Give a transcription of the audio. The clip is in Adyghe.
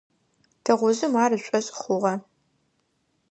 Тыгъужъым ар ышӀошъ хъугъэ.